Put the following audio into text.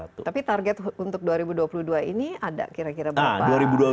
tapi target untuk dua ribu dua puluh dua ini ada kira kira berapa